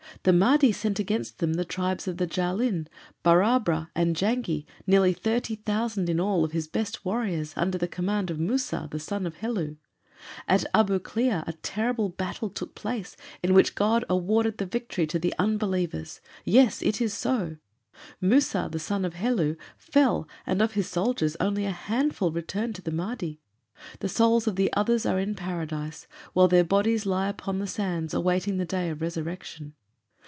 "The Mahdi sent against them the tribes of Jaalin, Barabra, and Janghey, nearly thirty thousand in all of his best warriors, under the command of Musa, the son of Helu. At Abu Klea a terrible battle took place in which God awarded the victory to the unbelievers. Yes, it is so. Musa, the son of Helu, fell, and of his soldiers only a handful returned to the Mahdi. The souls of the others are in Paradise, while their bodies lie upon the sands, awaiting the day of resurrection.